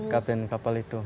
kapten kapal itu